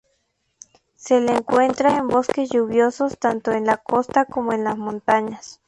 Se le encuentra en bosques lluviosos tanto en la costa como en las montañas.